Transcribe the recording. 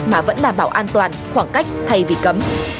mà vẫn đảm bảo an toàn khoảng cách thay vì cấm